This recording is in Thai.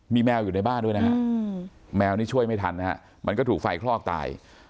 มีแมวอยู่ในบ้านด้วยนะฮะแมวนี่ช่วยไม่ทันนะฮะมันก็ถูกไฟคลอกตาย